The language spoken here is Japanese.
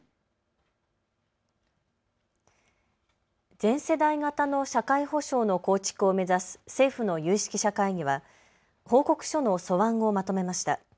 全世代型の社会保障の構築を目指す政府の有識者会議は報告書の素案をまとめました。